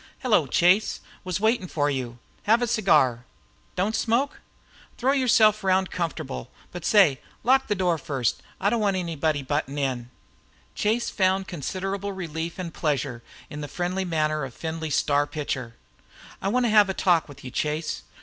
"Hello, Chase; was waiting for you. Have a cigar. Don't smoke? Throw yourself round comfortable but say, lock the door first. I don't want any one butting in." Chase found considerable relief and pleasure in the friendly manner of Findlay's star pitcher. "I want to have a talk with you, Chase.